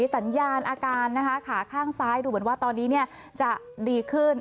สัญญาณอาการนะคะขาข้างซ้ายดูเหมือนว่าตอนนี้จะดีขึ้น